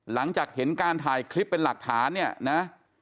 หลังจากเห็นการถ่ายคลิปเป็นหลักฐานเนี่ยนะ